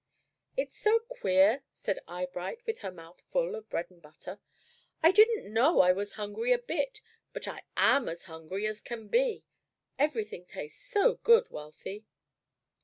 "It's so queer," said Eyebright, with her mouth full of bread and butter. "I didn't know I was hungry a bit, but I am as hungry as can be. Every thing tastes so good, Wealthy."